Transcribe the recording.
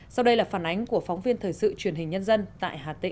sau đây là phản ánh của phóng viên thời sự truyền hình nhân dân tại hà tĩnh